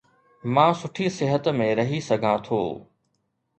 مان سٺي صحت ۾ رهي سگهان ٿو